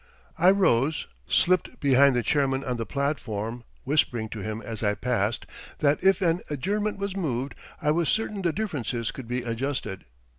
I rose, slipped behind the chairman on the platform, whispering to him as I passed that if an adjournment was moved I was certain the differences could be adjusted.